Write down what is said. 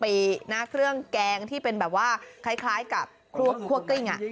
เครื่องแกงที่เป็นแบบว่าคล้ายกับคั่วกลิ้ง